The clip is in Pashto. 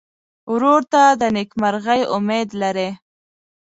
ورور ته د نېکمرغۍ امید لرې.